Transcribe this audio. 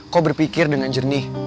kau berpikir dengan jernih